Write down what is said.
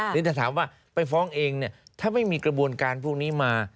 หรือถ้าถามว่าไปฟ้องเองเนี่ยถ้าไม่มีกระบวนการพวกนี้มา